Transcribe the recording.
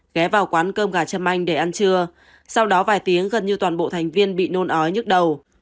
ghé vào quán cơm gà châm anh để ăn trưa sau đó vài tiếng gần như toàn bộ thành viên bị nôn ói nhức đầu